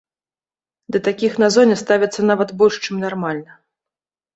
Да такіх на зоне ставяцца нават больш чым нармальна.